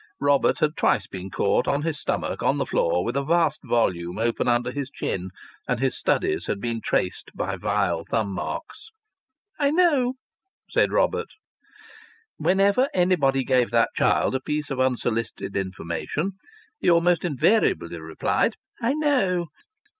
Robert had twice been caught on his stomach on the floor with a vast volume open under his chin, and his studies had been traced by vile thumb marks. "I know," said Robert. Whenever anybody gave that child a piece of unsolicited information he almost invariably replied, "I know."